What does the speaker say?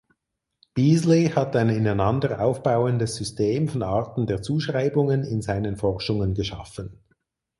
Beazley hat ein ineinander aufbauendes System von Arten der Zuschreibungen in seinen Forschungen geschaffen.